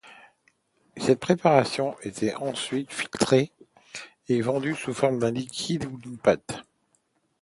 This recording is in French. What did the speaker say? Cette préparation était ensuite filtrée et vendue sous forme d’un liquide et d’une pâte.